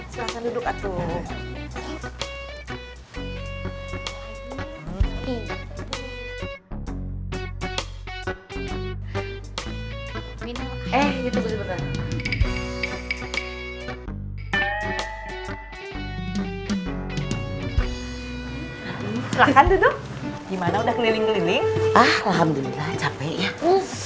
selatan duduk gimana udah keliling keliling alhamdulillah capek ya